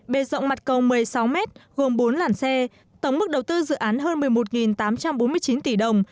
bề rộng mặt cầu một mươi sáu m gồm bốn làn xe tổng mức đầu tư dự án hơn một mươi một tám trăm bốn mươi chín tỷ đồng